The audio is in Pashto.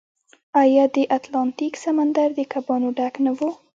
آیا د اتلانتیک سمندر د کبانو ډک نه و؟